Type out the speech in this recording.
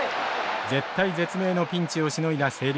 絶体絶命のピンチをしのいだ星稜。